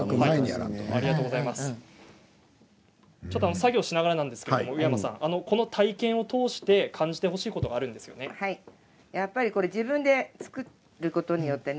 作業しながらなんですが宇山さん、この体験を通して感じてほしいことがあるんですよね。